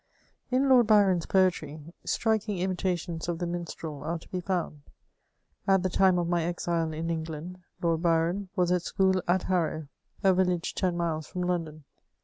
In Lord Byron's poetry, striking imitations of the Minstrel are to be found ; at the time of my exile in England, Lord Byron was at school at Harrow, a village ten miles from London.